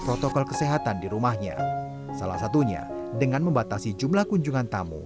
protokol kesehatan di rumahnya salah satunya dengan membatasi jumlah kunjungan tamu